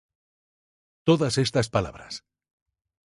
Todas estas palabras: